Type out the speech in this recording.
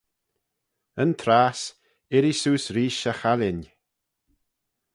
Yn trass, irree seose reesht y challin.